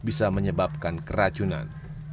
bisa menyebabkan keracunan